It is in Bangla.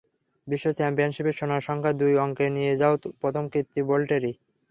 বিশ্ব চ্যাম্পিয়নশিপে সোনার সংখ্যা দুই অঙ্কে নিয়ে যাওয়ার প্রথম কীর্তি বোল্টেরই।